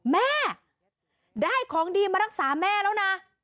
แม่ได้ของดีมารักษาแม่แล้วนะ